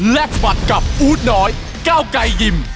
และฝัดกับอู๊ดน้อยก้าวไก่ยิม